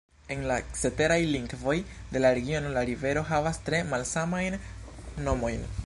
En la ceteraj lingvoj de la regiono la rivero havas tre malsamajn nomojn.